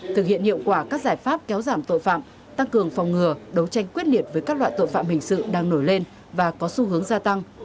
thực hiện hiệu quả các giải pháp kéo giảm tội phạm tăng cường phòng ngừa đấu tranh quyết liệt với các loại tội phạm hình sự đang nổi lên và có xu hướng gia tăng